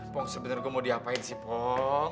pong sebenarnya gue mau diapain sih pong